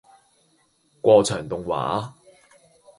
過場動畫